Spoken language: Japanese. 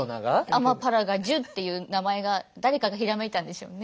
アマパラガジュっていう名前が誰かがひらめいたんでしょうね。